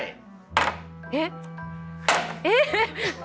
えっ。えっ！？